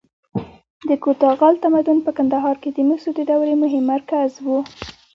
د کوتاه غال تمدن په کندهار کې د مسو د دورې مهم مرکز و